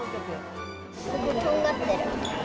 すごいとんがってる。